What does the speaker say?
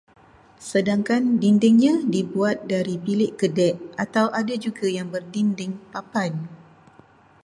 Sedangkan dindingnya dibuat dari bilik gedek atau ada juga yang berdinding papan